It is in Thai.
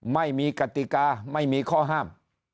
ไม่มีกติกาไม่มีข้อห้าม